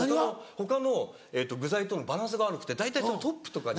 他の具材とのバランスが悪くて大体トップとかに。